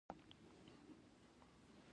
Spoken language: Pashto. سم کارول يې ګټور توليدات لري او ګټه رسوي.